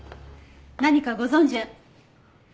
何かご存じ。